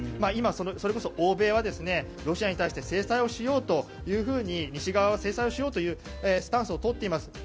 今、それこそ欧米はロシアに対して制裁をしようと西側は制裁しようというスタンスを取っています。